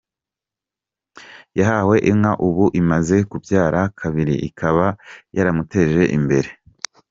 Yahawe inka, ubu imaze kubyara kabiri ikaba yaramuteje imbere.